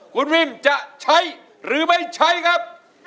คุณวิมจะใช้หรือไม่ใช้ครับ